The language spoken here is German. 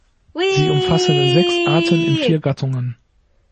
Sie umfassen sechs Arten in vier Gattungen.